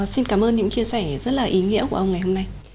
xin cảm ơn những chia sẻ rất là ý